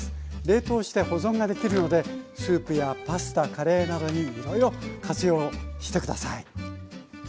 冷凍して保存ができるのでスープやパスタカレーなどにいろいろ活用して下さい。